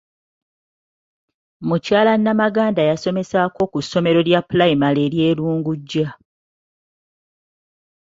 Mukyala Namaganda yasomesaako ku ssomero lya pulayimale erye Lungujja